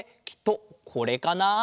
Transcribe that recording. きっとこれかな？